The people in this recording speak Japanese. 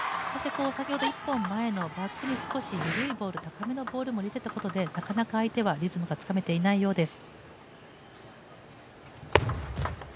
先ほど１本前のバックに少し緩めのボール、高いボールをつけたことでなかなか相手はリズムがつかめていないようです。